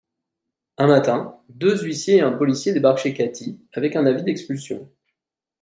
Un matin, deux huissiers et un policier débarquent chez Kathy avec un avis d'expulsion.